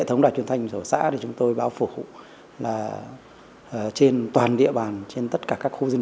thống đoàn truyền thành của xã thì chúng tôi báo phục là trên toàn địa bàn trên tất cả các khu dân